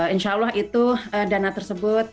insya allah itu dana tersebut